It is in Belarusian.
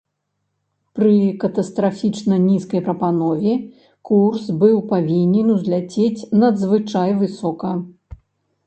Пры катастрафічна нізкай прапанове курс быў павінен узляцець надзвычай высока.